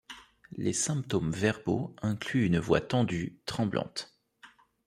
Les symptômes verbaux incluent une voix tendue, tremblante.